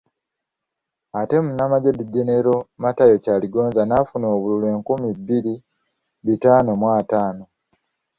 Ate Munnamaje Gen. Matayo Kyaligonza n'afuna obululu enkumi bbiri bitaano mu ataano.